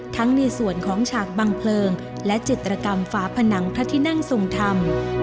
ในส่วนของฉากบังเพลิงและจิตรกรรมฝาผนังพระที่นั่งทรงธรรม